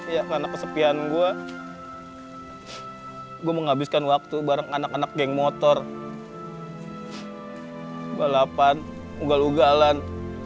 ya karena kesepian gue gue menghabiskan waktu bareng anak anak geng motor balapan ugal ugalan